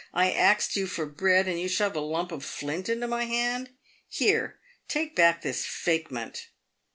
I , axed you for bread, and you shove a lump of flint into my hand. Here, take back this 'fakement.'"